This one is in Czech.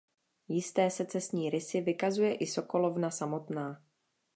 Jisté secesní rysy vykazuje i sokolovna samotná.